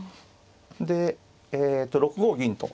でえと６五銀と。